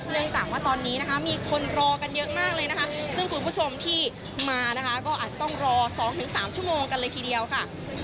เนื่องจากว่าตอนนี้นะคะมีคนรอกันเยอะมากเลยนะคะซึ่งคุณผู้ชมที่มานะคะก็อาจจะต้องรอ๒๓ชั่วโมงกันเลยทีเดียวค่ะ